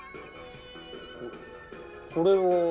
これは？